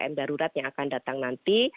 ptkm darurat yang akan datang nanti